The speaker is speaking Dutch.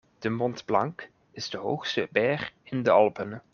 De Mont Blanc is de hoogste berg in de Alpen.